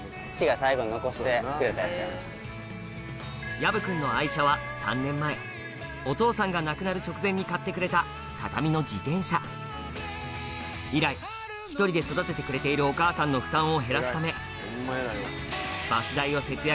矢不くんの愛車は３年前お父さんが亡くなる直前に買ってくれた形見の自転車以来１人で育ててくれている毎日その頑張る。